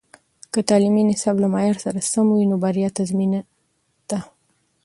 که تعلیمي نصاب له معیار سره سم وي، نو بریا تضمین ده.